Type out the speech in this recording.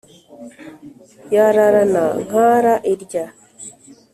yararana nkara irya